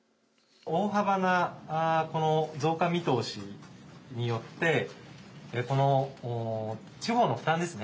大幅なこの増加見通しによってこの地方の負担ですね。